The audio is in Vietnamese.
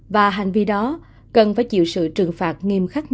và hành vi đó cần phải chịu sự trừng phạt nghiêm khắc